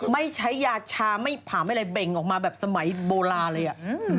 ไม่ใช้ยาชาไม่ผ่าไม่อะไรเบ่งออกมาแบบสมัยโบราณเลยอ่ะ